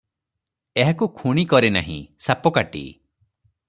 ଏହାକୁ ଖୁଣୀ କରିନାହିଁ, ସାପକାଟି ।"